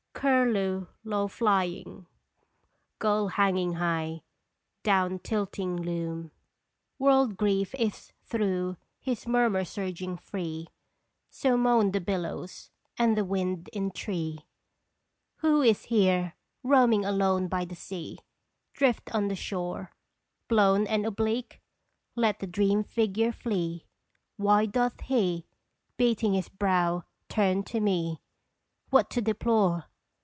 Curlew low flying, gull hanging high, Down tilting loon. World grief Is through his murmur surging free, So moan the billows, and the wind in tree ! Who is here, roaming alone by the sea, Drift on the shore, Blown and oblique? Let the dream figure flee I Why doth he, beating his brow, turn to me? What to deplore?